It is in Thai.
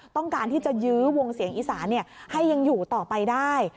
ต้องการที่จะยื้อวงเสียงอีสานให้ยังอยู่ต่อไปได้